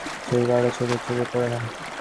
সে-পাড়া তোমার চোখে পড়ে না।